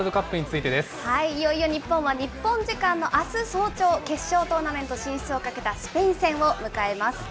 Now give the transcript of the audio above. いよいよ日本は日本時間のあす早朝、決勝トーナメント進出をかけたスペイン戦を迎えます。